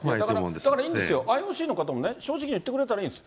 だからいいんですよ、ＩＯＣの方も正直に言ってくれたらいいんです。